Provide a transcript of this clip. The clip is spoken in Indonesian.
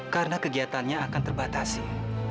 karena kegiatannya akan terbatasi